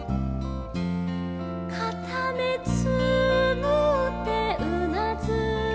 「かためつむってうなずいた」